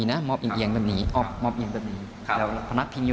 ช่วงนั้นเนี่ยมองคนที่จะไปจุดเทียนชนวนให้พระธานอยู่